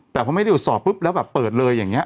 แต่พอไม่ได้ตรวจสอบปุ๊บแล้วแบบเปิดเลยอย่างนี้